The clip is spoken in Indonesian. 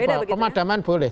ya jadi pemadaman boleh